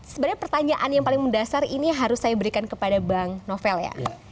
sebenarnya pertanyaan yang paling mendasar ini harus saya berikan kepada bang novel ya